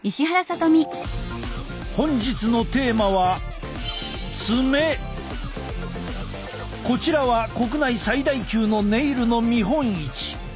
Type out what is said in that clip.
本日のテーマはこちらは国内最大級のネイルの見本市。